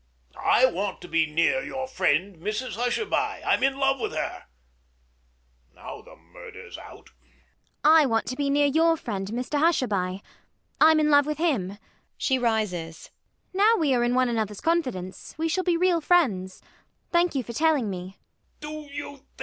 I want to be near your friend Mrs Hushabye. I'm in love with her. Now the murder's out. ELLIE. I want to be near your friend Mr Hushabye. I'm in love with him. [She rises and adds with a frank air] Now we are in one another's confidence, we shall be real friends. Thank you for telling me.